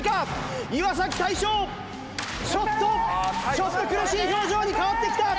ちょっと苦しい表情に変わってきた。